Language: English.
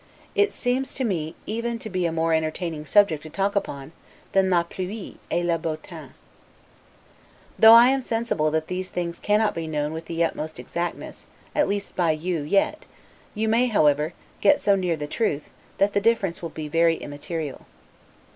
It seems to me even to be a more entertaining subject to talk upon, than 'la pluie et le beau tens'. Though I am sensible that these things cannot be known with the utmost exactness, at least by you yet, you may, however, get so near the truth, that the difference will be very immaterial.